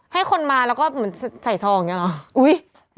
ให้คนมาแล้วก็เหมือนใส่ซองอย่างนี้เหรอ